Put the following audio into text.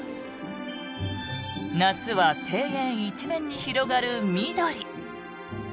夏は庭園一面に広がる緑。